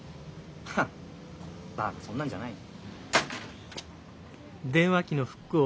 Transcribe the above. ハッバカそんなんじゃないよ。